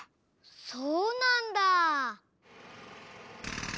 そうなんだ。